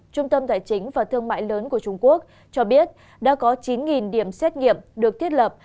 trung tâm tài chính và thương mại lớn của trung quốc cho biết đã có chín điểm xét nghiệm được thiết lập